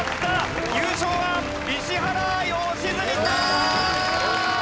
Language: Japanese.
優勝は石原良純さん！